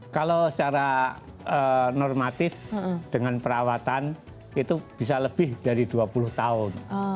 kalau secara normatif dengan perawatan itu bisa lebih dari dua puluh tahun